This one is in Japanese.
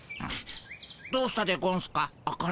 どうしたでゴンスか？